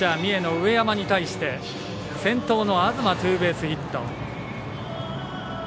上山に対して先頭の東、ツーベースヒット。